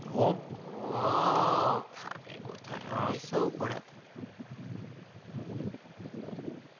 食べ応えありそうこれ。